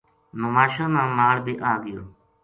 نوماشاں نا مال بے آگیو